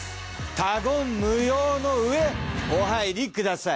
他言無用のうえお入りください。